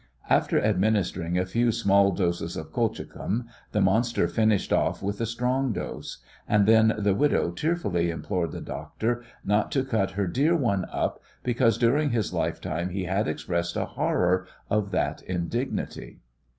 After administering a few small doses of colchicum the monster finished off with a strong dose, and then the "widow" tearfully implored the doctor not to cut her "dear one" up because during his lifetime he had expressed a horror of that "indignity."